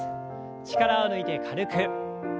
力を抜いて軽く。